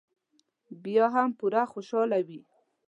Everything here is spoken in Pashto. بیا به هم پوره خوشاله وي.